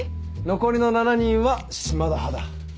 残りの７人は島田派だ。